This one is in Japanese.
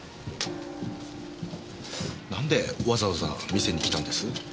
なんでわざわざ見せに来たんです？